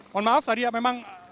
mohon maaf tadi memang